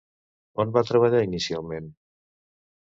On va treballar inicialment?